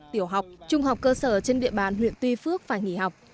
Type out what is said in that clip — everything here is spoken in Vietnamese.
tiểu học trung học cơ sở trên địa bàn huyện tuy phước phải nghỉ học